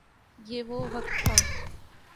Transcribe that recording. یہ وہ وقت تھا۔